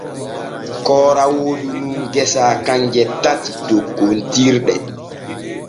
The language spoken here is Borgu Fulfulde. Koora woodu nun gesa kanje tati tokkontirɗe.